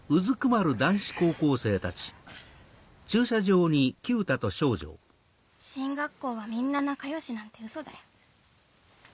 ・う・進学校はみんな仲良しなんてウソだよ。